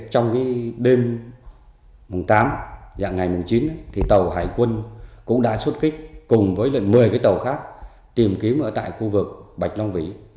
trong đêm mùng tám dạng ngày mùng chín tàu hải quân cũng đã xuất kích cùng với một mươi tàu khác tìm kiếm ở tại khu vực bạch long vĩ